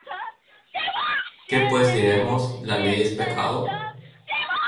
¿Qué pues diremos? ¿La ley es pecado?